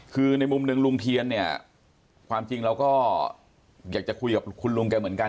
คือในมุมหนึ่งลุงเทียนเนี่ยความจริงเราก็อยากจะคุยกับคุณลุงแกเหมือนกัน